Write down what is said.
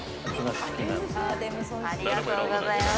ありがとうございます。